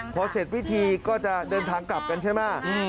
บางทีก็จะเดินทางกลับกันใช่ไหม